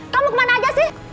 kamu kemana aja sih